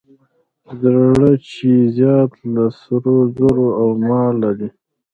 زړه چې زیات له سرو زرو او ماله دی.